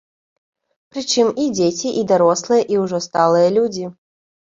Прычым, і дзеці, і дарослыя, і ўжо сталыя людзі.